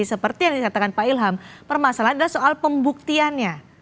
seperti yang dikatakan pak ilham permasalahan adalah soal pembuktiannya